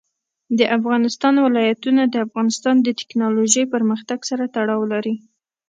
د افغانستان ولايتونه د افغانستان د تکنالوژۍ پرمختګ سره تړاو لري.